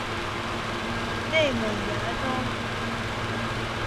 内蒙邪蒿